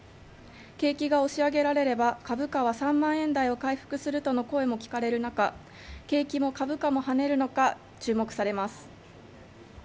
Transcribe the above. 景気が押し上げられれば株価は３万円台を回復するとの声も聞かれる中景気も株価も跳ねるのか